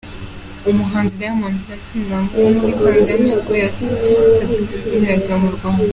Umuhanzi Diamond Platnumz wo muri Tanzania ubwo yataramiraga mu Rwanda.